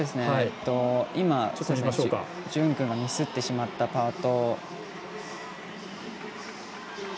今、潤君がミスってしまったパート。